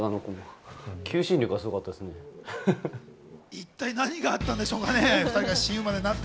一体何があったんでしょうかね？